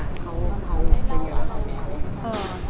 คุยค่ะเขาเป็นอยู่หรือเป็นไม่